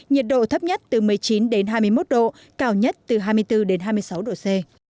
nhiệt độ thấp nhất từ một mươi chín đến hai mươi một độ cao nhất từ hai mươi bốn đến hai mươi sáu độ c